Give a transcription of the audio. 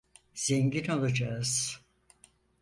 Zengin olacağız!